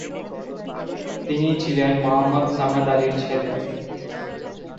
তিনি ছিলেন মোহাম্মদ সামাদ আলীর ছেলে।